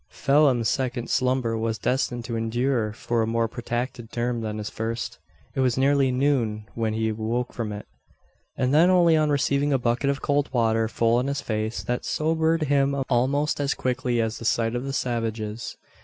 Phelim's second slumber was destined to endure for a more protracted term than his first. It was nearly noon when he awoke from it; and then only on receiving a bucket of cold water full in his face, that sobered him almost as quickly as the sight of the savages.